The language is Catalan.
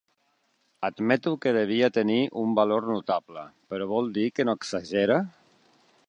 Admeto que devia tenir un valor notable, però vol dir que no exagera?